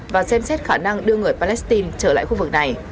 và xem xét khả năng đưa người palestine trở lại khu vực này